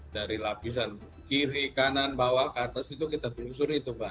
dari lapisan kiri kanan bawah ke atas itu kita telusuri itu pak